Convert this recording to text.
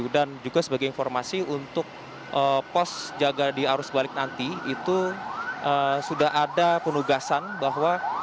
dan juga sebagai informasi untuk pos jaga di arus balik nanti itu sudah ada penugasan bahwa